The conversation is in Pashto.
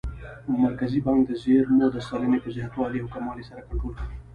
مرکزي بانک د زېرمو د سلنې په زیاتوالي او کموالي سره کنټرول کوي.